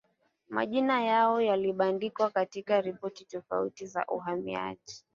majina yao yalibandikwa katika ripoti tofauti za uhamiaji